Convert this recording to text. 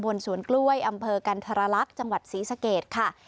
ตบลสวนกล้วยอำเฟอร์กันธรรลักษณ์จังหวัดซีสะเกษค่ะ